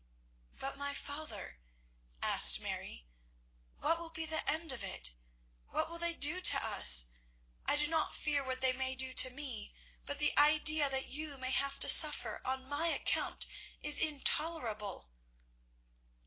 "But, my father," asked Mary, "what will be the end of it? What will they do to us? I do not fear what they may do to me, but the idea that you may have to suffer on my account is intolerable."